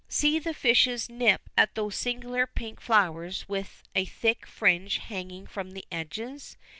See the fishes nip at those singular pink flowers with a thick fringe hanging from the edges.